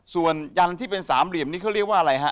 ส่วนยันที่เป็นสามเหลี่ยมนี้เขาเรียกว่าอะไรฮะ